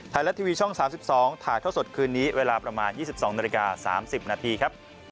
ไทยรัฐทีวีช่อง๓๒ถ่ายเท่าสดคืนนี้เวลาประมาณ๒๒นาฬิกา๓๐นาทีครับ